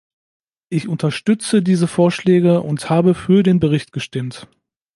Ich unterstütze diese Vorschläge und habe für den Bericht gestimmt.